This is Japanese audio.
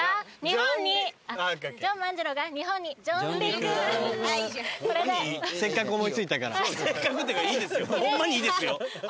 ホンマにいいですよ。